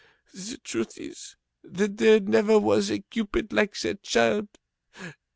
The truth is, that there never was a cupid like that child.